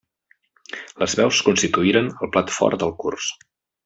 Les veus constituïren el plat fort del curs.